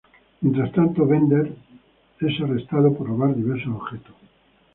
Mientras tanto, Bender es arrestado por robar diversos objetos.